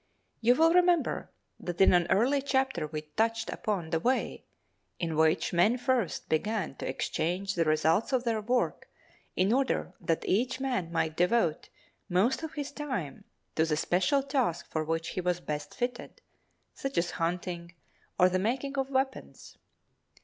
You will remember that in an early chapter we touched upon the way in which men first began to exchange the results of their work in order that each man might devote most of his time to the special task for which he was best fitted, such as hunting, or the making of weapons.